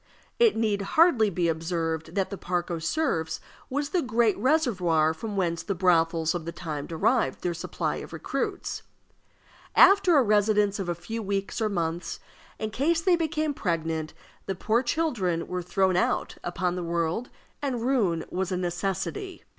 It need hardly be observed that the Parc aux Cerfs was the great reservoir from whence the brothels of the time derived their supply of recruits. After a residence of a few weeks or months, in case they became pregnant, the poor children were thrown out upon the world, and ruin was a necessity.